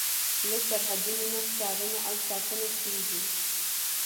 له سرحدونو نه څارنه او ساتنه کیږي.